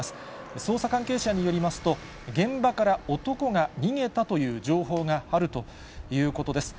捜査関係者によりますと、現場から男が逃げたという情報があるということです。